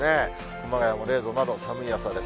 熊谷も０度など寒い朝です。